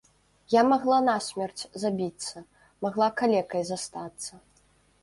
Я магла насмерць забіцца, магла калекай застацца.